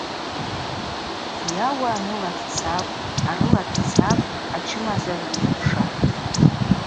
Йауа аныла дцапӏ, арыла дцапӏ, ачымазагӏв дйыкӏвшапӏ.